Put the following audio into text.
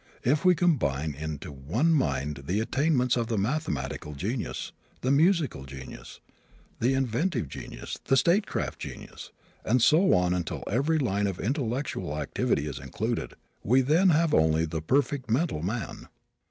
If we combine into one mind the attainments of the mathematical genius, the musical genius, the inventive genius, the statecraft genius, and so on until every line of intellectual activity is included, we then have only the perfect mental man.